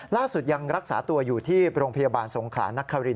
ล่าสุดยังรักษาตัวอยู่ที่โรงพยาบาลสงขลานคริน